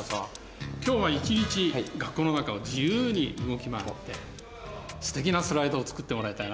今日は一日学校の中を自由に動き回ってすてきなスライドを作ってもらいたいなと思ってます。